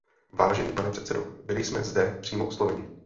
Vážený pane předsedo, byli jsme zde přímo osloveni.